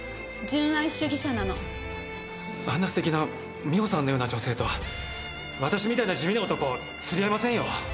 あんな素敵な美穂さんのような女性と私みたいな地味な男釣り合いませんよ。